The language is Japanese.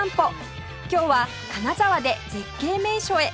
今日は金沢で絶景名所へ